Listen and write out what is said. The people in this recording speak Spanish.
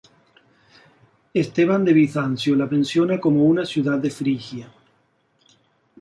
Esteban de Bizancio la menciona como una ciudad de Frigia.